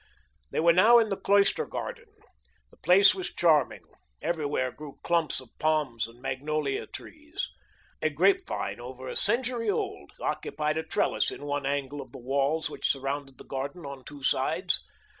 They were now in the cloister garden. The place was charming. Everywhere grew clumps of palms and magnolia trees. A grapevine, over a century old, occupied a trellis in one angle of the walls which surrounded the garden on two sides.